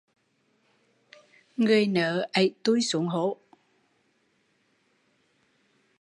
Người nớ ẩy tui xuống hố